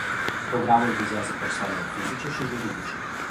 Programul vizează persoanele fizice și juridice.